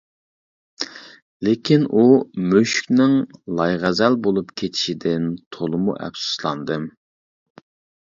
لېكىن ئۇ مۈشۈكنىڭ لايغەزەل بولۇپ كېتىشىدىن تولىمۇ ئەپسۇسلاندىم.